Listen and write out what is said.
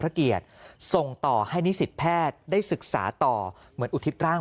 พระเกียรติส่งต่อให้นิสิตแพทย์ได้ศึกษาต่อเหมือนอุทิศร่าง